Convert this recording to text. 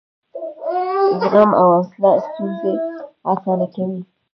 زغم او حوصله ستونزې اسانه کوي.